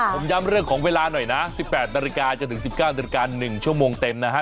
ผมย้ำเรื่องของเวลาหน่อยนะ๑๘นาฬิกาจนถึง๑๙นาฬิกา๑ชั่วโมงเต็มนะฮะ